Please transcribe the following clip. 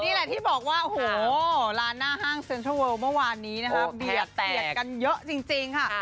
นี่แหละที่บอกว่าโอ้โหร้านหน้าห้างเซ็นทรัลเวิลเมื่อวานนี้นะคะเบียดเบียดกันเยอะจริงค่ะ